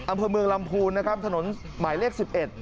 อำเภอเมืองลำพูนถนนหมายเลข๑๑